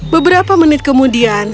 beberapa menit kemudian